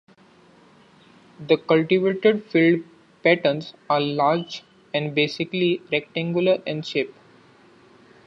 The cultivated field patterns are large and basically rectangular in shape.